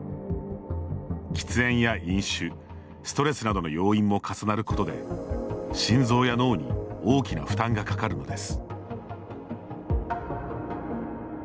喫煙や飲酒、ストレスなどの要因も重なることで心臓や脳に大きな負担がかかるのです。